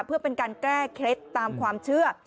เพื่อเป็นการแก้เคล็ดตามความเชื่อ